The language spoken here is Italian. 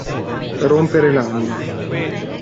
Rompere l'anima.